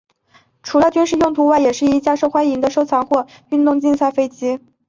除了军事用途外也是一架受欢迎的收藏或运动竞赛飞机。